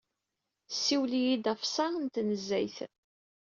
Siwel-iyi-d ɣef ssa n tnezzayt.